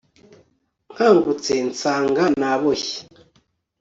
Nkangutse nsanga naboshye